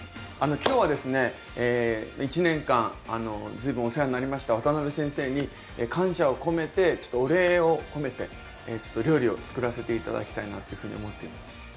今日はですね１年間随分お世話になりました渡辺先生に感謝を込めてお礼を込めてちょっと料理を作らせて頂きたいなっていうふうに思っています。